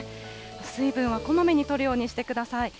水分はこまめにとるようにしてください。